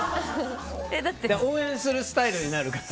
だって応援するスタイルになるから。